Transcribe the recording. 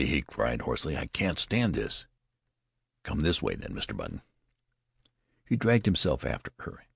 he cried hoarsely. "I can't stand this!" "Come this way, then, Mr. Button." He dragged himself after her.